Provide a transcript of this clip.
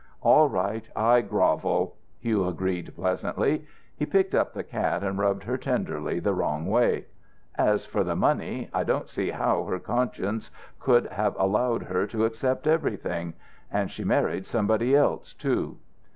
"All right, I grovel," Hugh agreed, pleasantly. He picked up the cat and rubbed her tenderly the wrong way. "As for the money, I don't see how her conscience could have allowed her to accept everything. And she married somebody else, too."